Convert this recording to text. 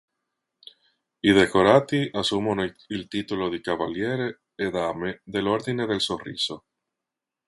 I decorati assumono il titolo di Cavalieri e Dame dell'ordine del Sorriso.